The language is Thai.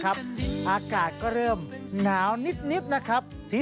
คุณผู้ชมครับเรื่องแปลกเกิดขึ้นในโลกปลายนี้